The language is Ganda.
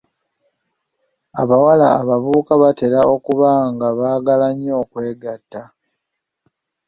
Abawala abavubuka batera okuba nga baagala nnyo okwegatta.